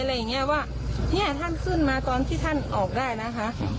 อะไรอย่างเงี้ยว่าเนี่ยท่านขึ้นมาตอนที่ท่านออกได้นะคะ